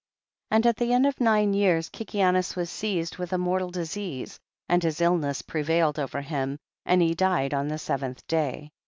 25. And at the end of nine years Kikianus was seized with a mortal disease, and his illness prevailed over him, and he died on the seventh day.